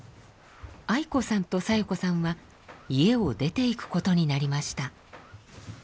愛子さんと小夜子さんは家を出ていくことになりました。